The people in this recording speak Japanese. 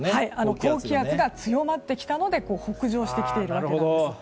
高気圧が強まってきたので北上してきているわけなんです。